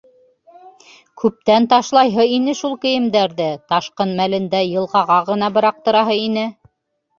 Күптән ташлайһы ине шул кейемдәрҙе, ташҡын мәлендә йылғаға ғына быраҡтыраһы ине.